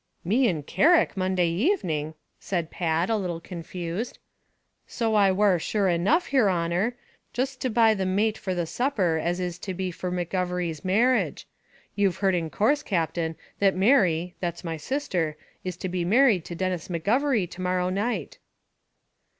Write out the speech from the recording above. "Me in Carrick Monday evening!" said Pat, a little confused; "so I war shure enough, yer honer, jist to buy the mate for the supper as is to be for McGovery's marriage. You've heard in course, Captain, that Mary that's my sister is to be married to Denis McGovery to morrow night?"